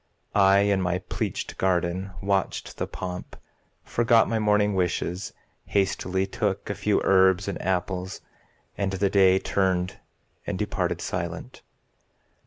I, in my pleached garden, watched the pomp, Forgot my morning wishes, hastily Took a few herbs and apples, and the Day Turned and departed silent.